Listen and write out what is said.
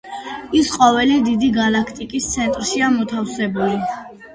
ის ყოველი დიდი გალაქტიკის ცენტრშია მოთავსებული.